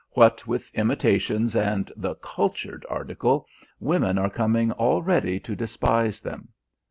What with imitations and the 'cultured' article, women are coming already to despise them.